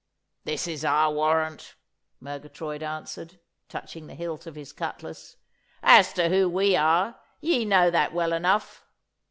'This is our warrant,' Murgatroyd answered, touching the hilt of his cutlass. 'As to who we are, ye know that well enough.